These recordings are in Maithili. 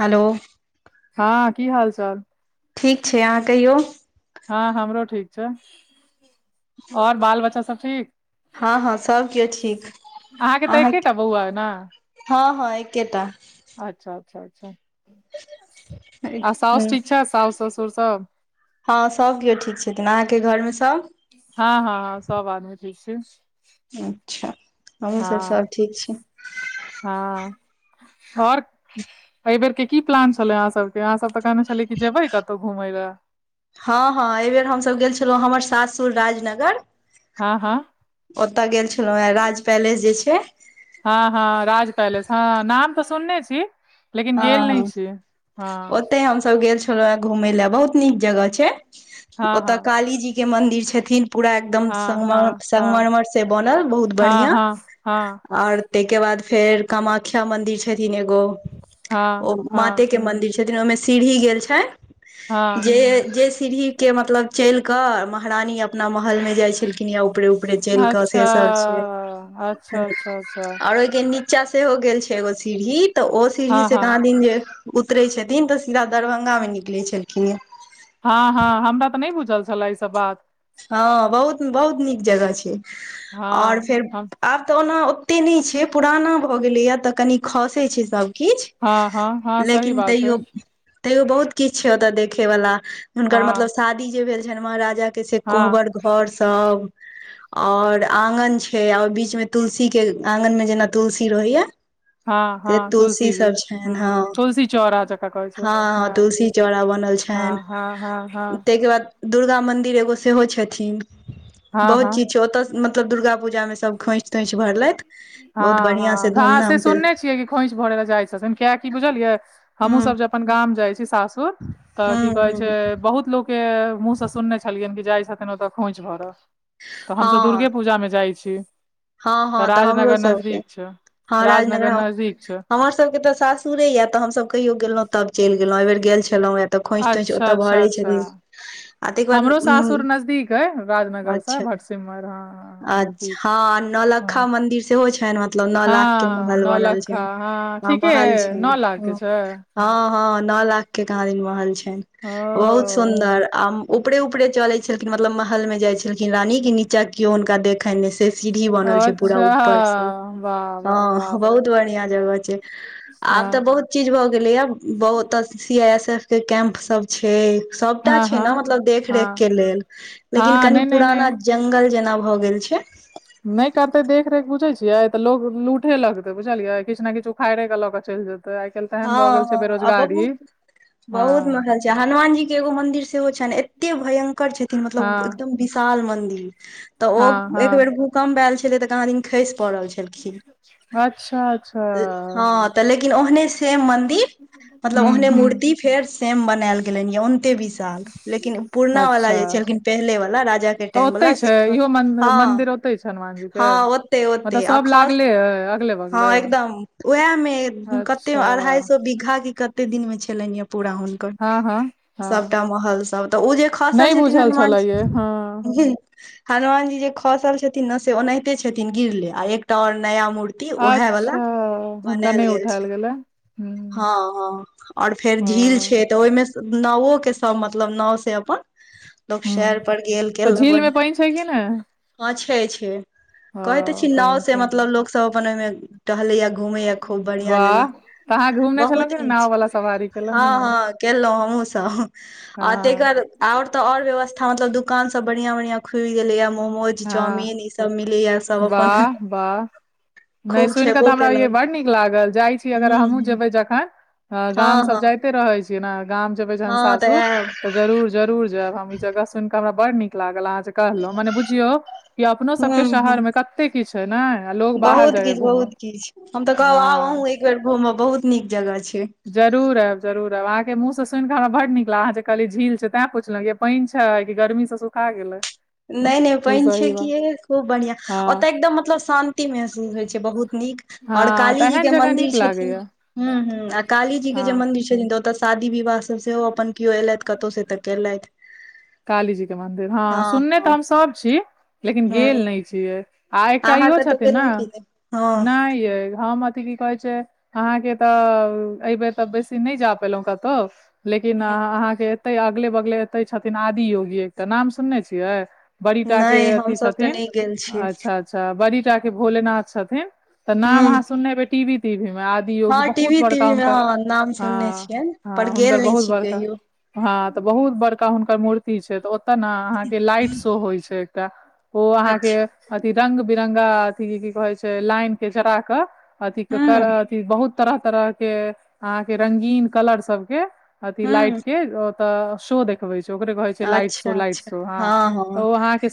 हेलो हँ की हाल चाल ठीक छै अहाँ कहियौ हँ हमरो ठीक छै और बाल बच्चा सब ठीक हँ हँ सब किओ ठीक अहाँके तऽ अहाँ एकेटा बौआ अइ ने हँ हँ एकेटा अच्छा अच्छा अच्छा हँ आ सााउस ठीक छैथ साउस ससुर सब हँ सभ केओ ठीक छथिन अहाँके घरमे सब हँ हँ हँ सब आदमी ठीक छै अच्छा हमहूँ सब सब ठीक छी हँ और एहि बेेर के की प्लान छले अहाँ सबके यहाँ सब तऽ कहने छली की जेबै कतहु घूमय लए हँ हँ एहि बेेर हमसभ गेल छलहुँ हमर सासुर राजनगर हँ हँ ओतऽ गेल छलहुँ हे राज पैलेस जे छै हँ हँ राज पैलेस हँ नाम तऽ सुनने छी लेकिन हँ गेल नहि हँ छी हँ ओते हमस गेल छ घुमे ल बहुत नीक जगह छै हँ ओत हँ काली जी के मंदिर छथिन पूरा एकदम हँ सम हँ हँ संगमरमर से बनल बहुत हँ बढ़िया हँ हँ अओर ताहिके बाद फेर कामाख्या मंदिर छथिन एगो ओ हँ हँ माते के मंन्दिर छथिन ओहिमे सीढ़ी गेल छैन हँ जे सीढ़ीक के मतलब चल कऽ महारानी अपना महल मे जाइ छलखिन ऊपरे ऊपरे चल कऽ अच्छा से सब छै, अच्छा अच्छा अच्छा आर के नीचा सेहो गेल छै एगो सीढ़ी तऽ ओ हँ हँ [inaudible] द जे उतरे छथिन तऽ सीधा दरभंगा मे निकले छलखिन हे हँ हँ हमरा तऽ नहि बुझल छलए ई सब बात। हँ बहुत बहुत नीक जगह छै ओओर हँ फेर हम आब तऽ ओना एते नहि छै पुराना भऽ गेलैया तऽ कनी खसे छै सब हँ हँ हँ किछु सही लेकिन बात छै तैयो तैयो बहुत किछु छै ओतय देखे वला हुनकर मतलब हँ शादी जे भेल छनि महाराजा के से हँ कोहबर घर सब। और आगन छै आ ओहि बीच मे तुलसी के आँगन मे जेना तुलसी रहैय हँ से हँ तुलसी जी सब छैन ह हँ तुलसी चौरा जकरा कहै छै हँ तुलसी चौड़ा बनल छैन हँ हँ हँ हँ ताहिके बाद दुर्गा मंदिर एगो सेहो छथिन हँ बहुत हँ चीज छै ओतय मतलब दुर्गा पूजामे सब खोइछ तोइछ भरतेय हँ हँ, ह से सुनने छियै कि खोइच भरे ल जाइ छथिन किया की बुझलियै हमहूँ हूँ सब जे अपन गाम जाइ छी सासुर तऽ की हूँ कहै छै हूँ बहुत लोक के मुह से सुनने छलियनि कि जाइ छथिन ओतऽ खोंच भरलय तऽ हमसभ हँ दुर्गे पूजा मे जाइ छलये हँ हँ तऽ हमरो सबके छै हँ राजनगर नजदीक छै हमर सबके तऽ सास सुरे या तऽ हम सब कहियो गेलहुँ तब चलि गेलहुं एहि बेर गेल छलहुँ अच्छा अच्छा अच्छा आ तैके बाद हमरो सासुर उम्म नजदीक हय राजनगर से अच्छा सिमराहा अच्छा हँ नौलखा मंन्दिर सेहो छनि मतलब नौलाख के हँ महल बनल नौलखा छनि। हँ ह ठीके महल अइ छै नौ लाख के ह छै हँ हँ नलाख के कहाँ दिन महल छनि ओ बहुत सुन्दर आ उपरे उपरे चले छलखिन मतलब महल मे जाय छलखिन रानी के नीचा केयो हुनका देख एखने से सीढ़ी बनल छै पूरा अच्छा ऊपर से वाह वाह हँ बाप रे बहुत बढ़िया जगह छै, हँ आब तऽ बहुत चीज भऽ गेले या बहुत सी आई एस एफ के कैम्प सब सब हँ छै हँ ने मतलब देख रे हँ के लेल लेकिन हँ क नहि नहि नहि प जंगल भऽ गेल छै। नहि करते देख रेख बुझे छियै तऽ लोग लूठे लगतै बुझलियै किछु ने किछु उखाड़े के लऽ के चलि जेतै काल्हि हँ तेहन भऽ गेल छै हँ आ बेरोजगारी बहुत बहुत महल हँ छै जे हनुमान जी के एगो मंदिर सेहो छ ने एते भयंकर छथिन मतलब हँ एकदम विशाल मंदिर तऽ ओ हँ एक हँ बेर भूकम्प आयल छलै तऽ कहाँ दिन खसि पड़ल छलखिन अच्छा अच्छा हँ तऽ लेकिन ओहने सेम मंदिर मतलब हूँ ओहने हूँ मूर्ति फेर सेम बनायल गेले गेल उते बीसाल लेकिन पुरना वाला अच्छा जे छलखिन पहि वला तऽ ओतहि के छै इहो [unintelligible] मन्दिर मंदिर ओतहि छै हनुमान जी के हँ ओते मतलब ओते आ सब लागले अइ अगले बगले ह एकदम उएह मे कते अच्छा अढ़ाई सए बीघा के कते दिन मे छलनि पूरा हुनकर हँ हँ हँ सबटा महल सब तऽ ऊ जे खसल नहि छथिन बुझल छलै ये हँ हनुमानजी हनुमान जी जे खसल छथिन ने से ओनाहिते छथिन गिरले आ एकटा और नया मूर् अच्छा हुनका बनायल नहि गेल उठायल छै गेलै हँ हूँ हँ और फेर झील छैे हँ तऽ ओहिमे नावो के सब मतलब नाव से अपन लोक हूँ शेर पर गेल के तऽ झील मे बढ़आ पानि छै कि ने हँ छै छै, ह कहैत ते छी नाव पानि से छै मतलब लोकसभ अपन ओहिमे टहलैया घुमे या खूब बढ़िया वाह जेना तऽ अहाँ घुमने बहुत छलहुँ कि ने नीक नाव छै वाला सवारी केलहुँ हँ कि नहि हँ केलो हमहु सब आ तेक हँ बा और ते और व्यवस्था मतल दुकान सब बढ़िया बढ़िया खुल गेले या मोमोज चाम हँ ई सब मिले या सब अपन वाह वाह ख [unintelligible] हमरा ब् नीक लागल जाइ छी अगर हूँ हमहुँ हूँ जेबै जखन गाम हँ सब हँ जाइत जाएते रहै छी ने गाम जेबै जहन हँ तऽ सासुर आयब तऽ जरूर जरुर जायब हम ई जगह सुन के हमरा बड नीक लागल अहाँं कहलं मने बु झीओ कि अपनो हूँ सबके हूँ शहर मे कतेक कते किछ ए ने आ लोग बाहर बहुत जाइया किछु घूमऽ हँ फेर घूमव बहुत नीक जगह छै जरूर आब जरूर अब अहाँ कें मुह स सुन के हमरा नीक लागल आहाँ जे कहल झील छै तैं पुछलहुं य पाइन छै कि गर्मी से सुखा गेलै नय नय पाइन छै सही कि बात खूब बढ़िआँ हँ ओतऽ एकदम मतलब शान ति महसूस होइ छै बहुत नीक और हँ काली तऽ जी एहन के जगह मंदिर नीक छथिन लागैया हू हू आ काली जी के जे हँ मंदिर छथिन तऽ ओतऽ शादी विवाह सब सेहो अपन केओ ऐलैथ कतहु से तऽ केलैथ कालीजी के मंन्दिर हँ सुनने तऽ हँ हम सभ छी लेकिन गेल हूं नय छियै आ एकटा अहाँ इहो कतहु छथिन ने गेलहुँ कि नहि हँ नय य हम अथि की कहे छी अहाँके तऽ एहिबेर तऽ बेसी नय जा पेलो कतो लेकिन अहाँ के एते अगले बगले एते छथिन आदि योगी एक तऽ नाम सुनने छियै बड़ीटा के नहि अथी हमसभ तऽ छथिन नहि गेल छियै अच्छा छा बड़ीटा के भोलेनाथ छथिन तऽ नाम हूं अहाँ सुननेे हेबे टीवी तीवी मे योगी हँ बहुत टीवी बड़का तीवी मे हुनकर हँ नाम ह सुनने छियनि पर ह गेल हुनकर नहि बहुत छी बड़का कहियो हँ तऽ बहुत बड़का हुनकर मूर्ति छै तऽ ओतय ने अहाँके लाइट शो होइ छै एकटा ओ अहाँ के अच्छा अथि रंग बिरंगा अथि की कहे छै लाइन के चरा कऽ अथि के कर हूं अथि बहुत तरह तरह के अहाँ के रंगीन कलर सबके अथि हूं लाइट के ओत शो देखबे छै ओकरे कहै छै लाइट शो अच्छा लाइट अच्छा शो हँ हँ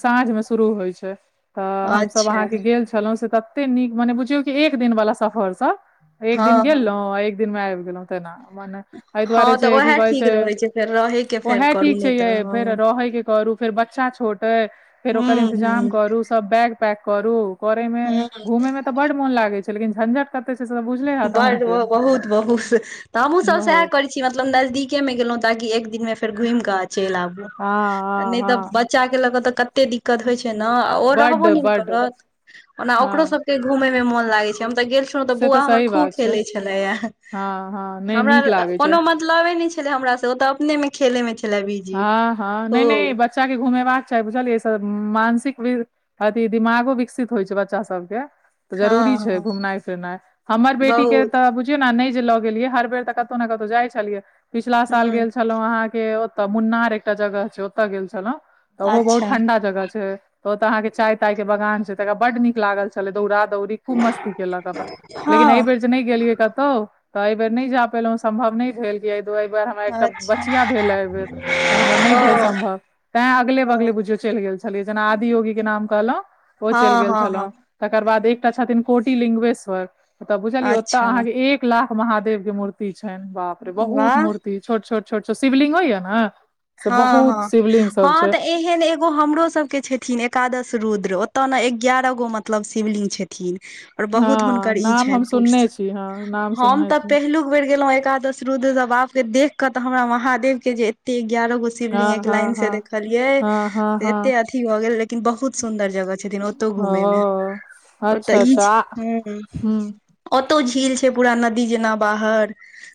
साँझ मे शुरू होइ छै तऽ हमसभ अच्छा अहाँके गेल छलहुँं से तऽ एते नीक मने बुझियौ क एक दिन वाला सफर स एक दिन हँ हँ गेलो आ एक दिन मे आइब गेलो मने एहि दुआरे हँ तऽ जे की उएह कहै ठीक छै रहै फेर रहयके ओ फेर है करू ठीक छै नहि तऽ हँ फेर रहे के करू फेर बच्चा छोट है फेर ओकर हूँ इन्तजाम हूँ करू सब बैग पैक करू करे मे हूँ घुमे मे तऽ बड मोन लागे छै लेकिन झंझट कते छै बुझले हैत अहूँ बड़ के बहुत बहुत तऽ हमहू सब सएह बहुत करे छी मतलब नजदीक मे गेलो ताकि एक दिन मे फेर घुमि कऽ चलि आबू हँ हँ नय तऽ हँ बच च्चा के लऽ कऽ तऽ कते दिक्कत होइ छै ने आ ओ बड्ड रहबो नय बड्ड करत ओना हँ ओकरो सब घूमे मे मन लागे छै हम तऽ गेल छलो से बोआ तऽ हमर सही खूब बात छै खेल छला हँ हँ नहि हमरा नीक लागै छै कोनो मत मतलबे नै छले हमरा से ओ तऽ अपने में खेले में छले बीजी हँ हँ [inaudible] नहि नहि खूब बच्चा केँ घुमेबाक चाही बुझलियै मानसिक वि अथी दिमागो विकसित होइ छै बच्चा सब केँ तऽ जरूरी हँ छै हँ घुमनाइ फिरनाइ हमर बेटी केँ बहुत तऽ बुझियो नै जे लऽ गेलियै हर बेर तऽ कतौ न कतौ जाइ छलियै पिछला साल हँ गेल छलौ अहाँ केँ तऽ मुन्नार एकटा जगह छै ओतय गेल छलौ तऽ ओहो बहुत अच्छा ठंडा जगह छै ओते अहाँ केँ चाय ताय केँ बगान छै तऽ एकरा बड नीक लागल छले दौड़रा दौरी खूब मस्त केलक अपन लेकिन आइ हँ बेर जे नै गेलियै कतौ तऽ ऐ बेर नै जा पाइलु सम्भव नै भेल [unintelligible] हमरा एकटा अच्छा बचिया भेल हऽ यै बेर तऽ हमरा नै भेल ओ सम्भव तै अगले ओ बगले बुझियौ चैल गेल छलियै जेना आदियोगी केँ नाम कहलौ ओ चैल हँ गेल हँ छलौ हँ तकर बाद एकटा छथिन कोट लिंग्वेश्वर। ओ तऽ बुझलिये ओताे अच्छा अहाँ केँ एक लाख महादेव कऽ मूर्ति छैन बाप रे बहुत वाह मूर्ति। छोट छोट छोट छोट शिवलिंग यऽ न से बहुत शिवलिंग सब छैय। ऐहन एगो हमरो सब केँ छथिन एकादश रुद्र ओ तऽ न ग्यारह गो मतलब शिवलिंग छ थिन और बहुत हँ हुनकर इ नाम छैन हम पुर्ष सुनने छी हँ नाम [inaudible] हम सुनने तऽ छी पहिलुक। एक बेर गेलो एकादश रुद्र जे बाप रे देख कऽ तऽ हमरा महादेव केँ जे एतै ग्यारह। हँ शिवलिंग एक हँ लाइन से हँ देखलियै हँ हँ एते हँ अथी भऽ गेल लेकिन बहुत सुंन्दर जगह छथिन ओ ओतौ घूमै में ओ ओ अच्छा तऽ ई अच्छा छै ह [unintelligible] औतौ झील छै पूरा नदी जेना बाहर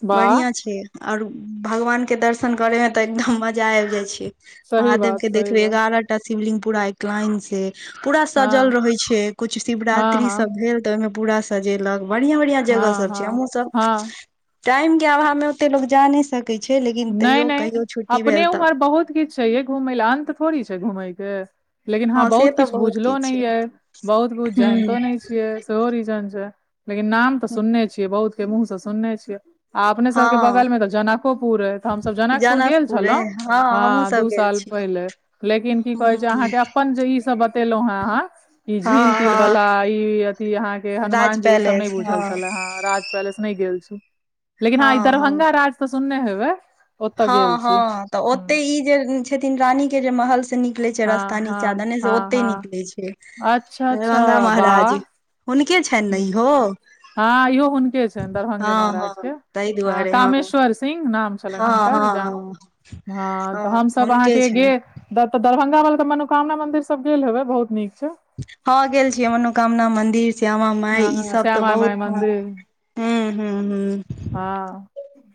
वाह बढ़िया छै और भगवान केँ दर्शन करै में तऽ एकदम मजा आइब जाइ छै सही महादेव बात केँ सही देखबे बात एगारह टा शिवलिंग पूरा एकलान से पूरा सजल हँ रहे छै कुछ हँ शिवरात्रि हँ सब भेल तऽ ओइमे पूरा सजेलक बढ़ियां बढ़िआं जगह हँ सब छै हँ हमहुँ सब हँ टाइम केँ अभाव में ओते लोक जा नै सकैत छै लेकिन नहि तैयो कहियो छुट्टी अपने भेल तऽ उमहर बहुत किछ छैेय घुमै लऽ अन्त थोड़ी छैय घुमै कऽ लेकिन हँ से बहुत तऽ किछ बुझलो नै किछु छै ये बहुत कुछ जानितो नै हूँ छियै। सेहो रीजेन छैय लेकिन नाम तऽ सुनने छियै बहुत के मुँह से सुनने छियै। आ अपने सब कऽ हँ बगल में तऽ जनक हम सब जनकपुर गेल छलौ अइ हँ हमहुँ सब दू गेल साल छी पहिले लेकिन कि कहै हूँ छै हूँ अहाँकेँ अपन अखन जे इ सब बतेलो है अहाँ। इ हँ झील तिल हँ वाला इ अथी अहाँ के राज हनुमान जी इ सब नै पैलेस हँ बुझल छलेय ह राज। पैलेस नै गेल छी लेकिन हँ इ दरभंगा राज तऽ सुनने हेबै। ओतय गेल हँ छी हँ तऽ ओते इ जे छथिन रानी केँ जे महल। निकले छैय रस्ता हँ हँ नीचा देने से हँ ओते हँ निकले छैय [inaudible] अच्छा अच्छा दरभंगा वाह महाराज। हुनके छैनि न इहो। हँ इहो हुनके छैन दरभंगे हँ महाराज हँ केँ ताहि हँ दुआरे कामेश्वर सिंह नाम। छलैन हँ हुनकर हँ जहाँ हँ [inaudible] हँ तऽ हमसब हुनके अहाँकेँ छनि गेल। दऽ तऽ दरभंगा में वाला मनोकामना मंदिर सब गेल हेबै बहुत नीक छैय। हँ गेल छियै मनोकामना मन्दिर। श्यामा माई इ हँ सब तऽ श्यामा माइ बहुत मन्दिर [unintelligible] हँ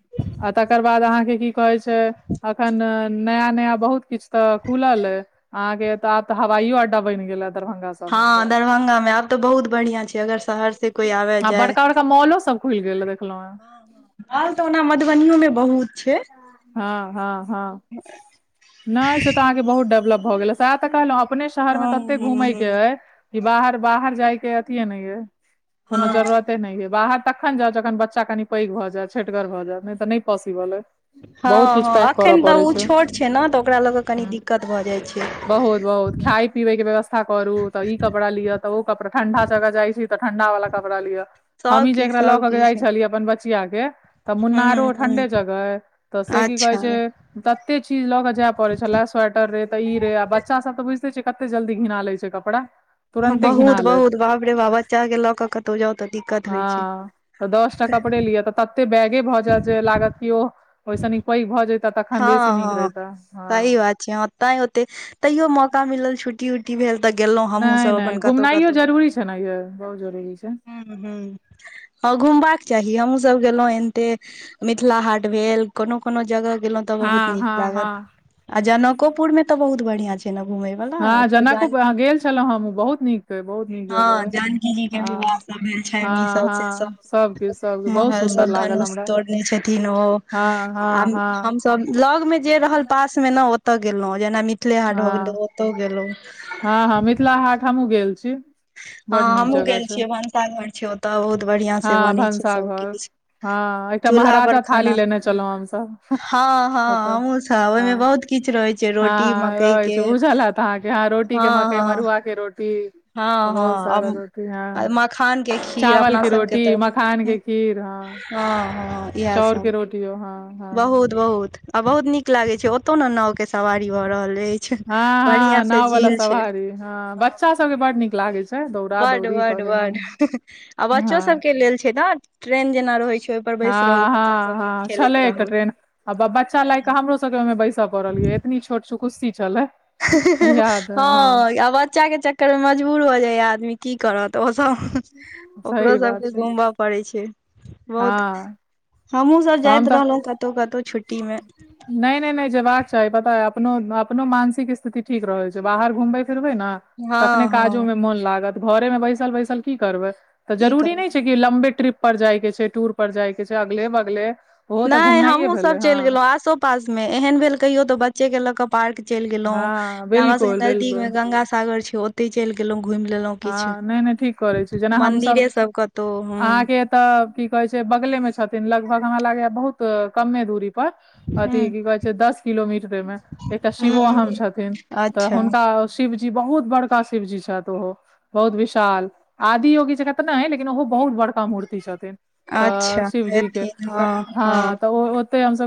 [inaudible] आ तकर बाद अहाँकेँ की कहै छैय अखन। नया नया बहुत किछ ते खुल अहाँ केँ तऽ आब तऽ हवाईयो अड्डा बैन गेले हन दरभंगा सबमे हँ तऽ दरभंगा में आब तऽ बहुत बढ़ियां छै शहर से कोई आबे आ जाय बड़का बड़का मॉलो सब खुल गेल हन देखलो हन। मॉल तऽ ओना मधुबनीयो मे बहुत छै हाँ हाँ हाँ नहि से तऽ अहाँके बहुत डेवलप भऽ गेल सएह तऽ कहलहु अपने शहर मे हँ तते हँ घूमय के हँ ये बाहर बाहर जाय के अथि नहि एय कोनो हँ जरूरते नहि हे बाहर। तखन जाऊं जखन बच्चा कनि पैघ भऽ जायत छठिगर भ जायत नहि तऽ नहि पॉसिबल छै बहुत हाँ किछु हाँ पैक करऽ एखन तऽ पड़ै ओ छोट छैय ने तऽ ओकरा लऽ कऽ कनी हूँ दिक्कत भऽ जाइ छै बहुत बहुत खाय पीए के व्यवस्था करू तऽ इ कपड़ा लि तऽ ओ कपड़ा ठंडा जगह जाय छै तऽ ठंडा वला कपड़ा लिअ सब हमी जे किछ एकरा ल सब के किछ जाइ छलिये अपन ब बच्ची के तऽ हूँ मुनारो हूँ ठंडे जगह ऐ तऽ से की कहे अच्छा छैय। तते चीज लऽ के जाय पड़े छले स्वीटर रे तऽ इ रे आ बच्चा सब तऽ बुझते छिये कते जल्दी घिना ले छैय कपड़ा ओकरा। बहुत बहुत बाप रे बच्चा के लऽ कऽ कतहु जाऊं तऽ दिक्कत। होइ छै हाँ तऽ दस टा कपड़े लिय तऽ तते बैगे भऽ जायत जे लागत कि ओ ओहिस निक पैघ भऽ जैता तखन बेसी हँ नीक रहिते हाँ न ओतय होते तैयो मौका मिलल छुटी छुट्टी भेल तऽ गेलहुँ हमहुँ नहि सब अपन नहि कतहु घुमनाइयो कतहु जरूरी छै ने यै बहुत जरूरी छै घुमैय राय। ह [inaudible] हँ घुमबाक चाही हमहुँ सब गेलहुँ एनते मिथिला हाट भेल कोनो कोनो जगह। गेलों ते बहुत हँ नीक हँ लागल हँ आ जनकोपुर मे ते बहुत बढ़ियाँ छै। घुमै वला हँ ओतो जनकपुर अहाँ गेल छलहुँ हम बहुत नीक अइ बहुत नीक जगह हँ अइ जानकी जी के विवाह हँ [inaudible] भेल छनि ई हँ सब से हँ सब सबके सबके बहुत महल सुन्दर सब लागल धनुष हमरा तोड़ने छथिन ओ हँ, हँ, हँ, हम सब लौग मे जे रहल पास मे ने ओतय गेलहुं जेना मिथिले हाट गेलो ओतौ गेलहुं। हाँ हाँ मिथिला हाट हमहुँ गेल छी हाँ बड नीक हमहूँ जगह गेल छै छियै भनसाघर छै ओतय बहुत बढ़ियाँ से बनै छै सबकिछ। हाँ एकटा महराजा थाली लेने छलहुँ हमसब हँ हँ ओतऽ हमहुँ सब हाँ ओहिमे बहुत किछ रहै छै रोटी हाँ मकई रहै के छै बुझल हैत अहाँके ह रोटी के हँ मकई हँ मरुआ के रोटी। हँ बहुत हँ आब सारा रोटी हाँ आ मखान के खीर चावल अपना के सबके रोटी तऽ मखान हँ के खीर हँ हँ इएह चाउर सब के रोटियों हाँ बहुत बहुत आ बहुत नीक लागे छै ओतौ ने नाव के सवारी भऽ रहल छै अछि हँ बढ़िया हँ से नाव वाला झील सवारी हँ बच्चा सबके बड नीक लागे छै। दौड़ा बड दौड़ी बड करे मे बड आ बच्चो हँ सभके लेल छै ने ट्रेन जेना रहय छैय हँ हँ हँ छलय एकटा ट्रेन आ ब बच्चा लाइ कऽ हमरो सबके ओइमे बैसय पड़ल यै एतनी छोट छोट कुस्सी छलय। हँ बच्चाके चक्करमे मजबूर भऽ जाइयै आदमी की करत ओ सब ओकरो सही बात सबके छै घुमब पड़ै छै बहुत हँ हमहुँ सब तऽ जाइत हम रहलहुँ कतहु कतहु छुट्टीमे नै नै नै जेबाक चाही पता ए अपनो अपनो मानसिक स्थिति ठीक रहय छै बाहर घूमबे फिरबै ने हँ तखने हँ काजोमे मोन लागत घरेमे बैसल बैसल की करबै तऽ की जरूरी करब नै छै कि कि लम्बे ट्रिप पर जाइके छै टूर पर जाइके छै अगले बगले तऽ नय घुमनाइये हमहुँ भेलै सभ हँ चलि गेलहुँ आसो पासमे एहन भेल कहियो तऽ बच्चे के लऽ कऽ पार्क चलि गेलों हँ जे हमरा सब बिल्कुल के नजदीक बिल्कुल मे गंगा सागर छै ओ ओते चलि गेलहुं घुमि लेलहुँ किछु हँ नहि नहि ठीक करै छी मंदिरे सब कतहु हुँ त की कहे छै बगले मे छथिन लगभग हमरा लागे य बहुत कमे दूरी पर अथि हूँ की कहै छै दस किलोमीटरेमे एकटा शिवो अहम हूँ छथिन। तऽ अच्छा हुनका ओ शिवजी बहुत बड़का शिवजी छैथ ओहो। बहुत विशाल आदि योगी जका तऽ नै लेकिन ओहो बहुत बड़का मूर्ति छथिन। तऽ अच्छा शिवजी केँ हेथिन तऽ हँ हाँ हँ तऽ ओते हमसब